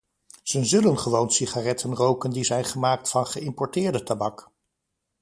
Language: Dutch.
Ze zullen gewoon sigaretten roken die zijn gemaakt van geïmporteerde tabak.